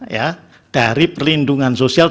ya dari perlindungan sosial